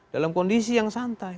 dalam kondisi yang santai